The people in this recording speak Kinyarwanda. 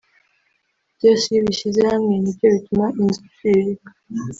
byose iyo ubishyize hamwe nibyo bituma inzu iciririka